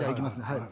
はい。